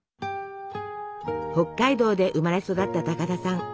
北海道で生まれ育った高田さん。